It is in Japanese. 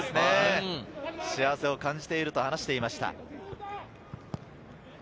幸せを感じていると話していました。